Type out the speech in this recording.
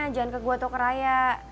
jangan ke gue atau ke raya